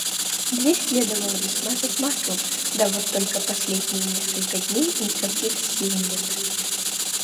Дверь следовало бы смазать маслом, да вот только последние несколько дней никаких сил нет.